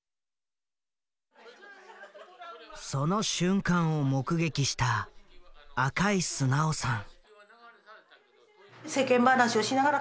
その瞬間を目撃した赤井直さん。